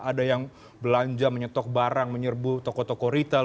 ada yang belanja menyetok barang menyerbu toko toko retail